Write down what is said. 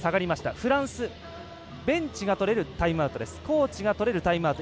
フランスコーチがとれるタイムアウト